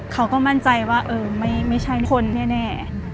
เขาก็มั่นใจว่าเออไม่ใช่คนแน่